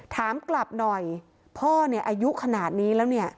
ถามกลับหน่อยพ่ออายุขนาดนี้แล้ว